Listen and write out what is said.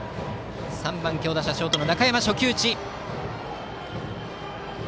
３番強打者、ショートの中山です。